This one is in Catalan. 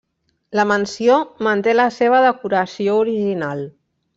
La mansió manté la seva decoració original.